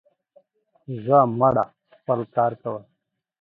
زه مړه, خپل کار کوه.